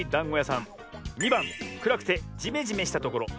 ２ばんくらくてジメジメしたところ。